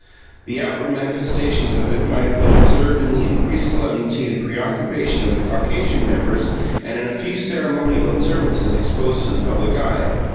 The outward manifestations of it might have been observed in the increased solemnity and preoccupation of the Caucasian members and in a few ceremonial observances exposed to the public eye.